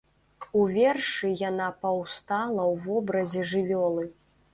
У вершы яна паўстала ў вобразе жывёлы.